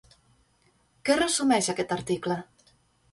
Què resumeix aquest article?